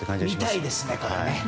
見たいですね、これ。